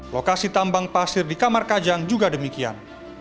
lokasi tambang pasir di kamar kajang juga demikian